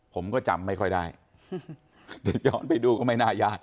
ผมก็จำไม่ค่อยได้แต่ย้อนไปดูก็ไม่น่ายาก